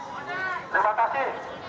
sebelum matahari tergelam